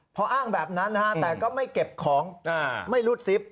เพราะอ้างแบบนั้นนะครับแต่ก็ไม่เก็บของไม่รุดซิบ